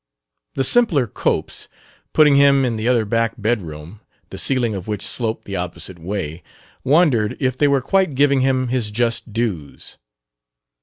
The simpler Copes, putting him in the other back bedroom, the ceiling of which sloped the opposite way, wondered if they were quite giving him his just dues.